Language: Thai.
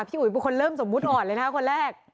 อุ๋ยเป็นคนเริ่มสมมุติอ่อนเลยนะคะคนแรก